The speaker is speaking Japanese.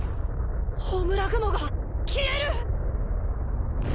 焔雲が消える！